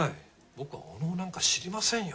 僕はお能なんか知りませんよ。